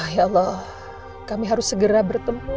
ya allah kami harus segera bertemu